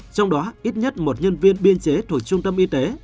trong đó ít nhất một nhân viên biên chế thuộc trung tâm y tế